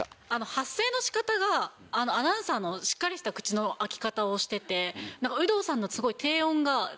発声の仕方がアナウンサーのしっかりした口の開き方をしてて。